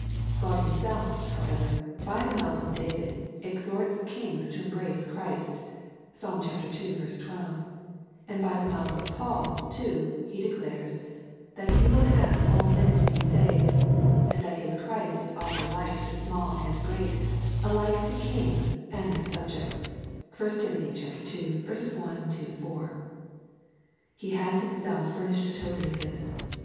God himself, however, by the mouth of David, exhorts kings to embrace Christ,' (Ps. ii. 12,) and by the mouth of Paul, too, he declares, that he will have all men to be saved, and that his Christ is offered alike to small and great, alike to kings and their subjects, (1 Tim. ii. 1 4.) He has himself furnished a token of this.